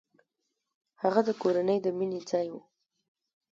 هغه کور د مینې ځای و.